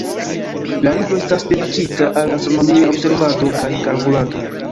La libro estas dediĉita al astronomia observado kaj kalkulado.